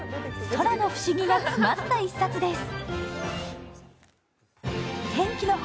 空の不思議が詰まった一冊です。